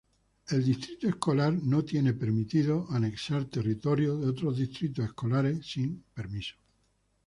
El distrito escolar no está permitido anexar territorio de otros distritos escolares sin permiso.